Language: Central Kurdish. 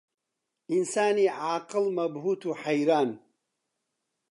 ئینسانی عاقڵ مەبهووت و حەیران